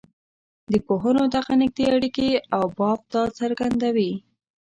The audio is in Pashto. د پوهنو دغه نږدې اړیکي او بافت دا څرګندوي.